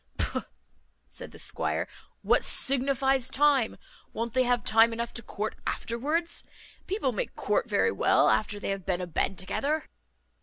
"Pugh!" said the squire, "what signifies time; won't they have time enough to court afterwards? People may court very well after they have been a bed together."